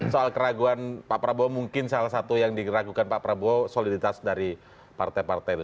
soal keraguan pak prabowo mungkin salah satu yang diragukan pak prabowo soliditas dari partai partai itu